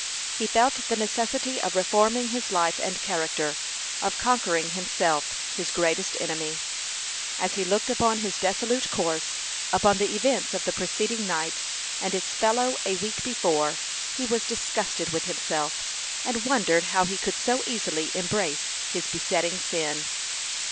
He felt the necessity of reforming his life and character of conquering himself, his greatest enemy. As he looked upon his dissolute course, upon the events of the preceding night, and its fellow a week before, he was disgusted with himself, and wondered how he could so easily embrace his besetting sin.